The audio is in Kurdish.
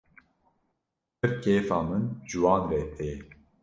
Pir kêfa min ji wan re tê.